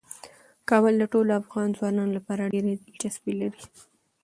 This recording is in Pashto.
کابل د ټولو افغان ځوانانو لپاره ډیره دلچسپي لري.